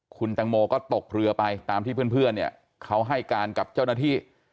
คุณตังโมก็ตกเรือไปตามที่เพื่อนเนี่ยเขาให้การกับเจ้าหน้าที่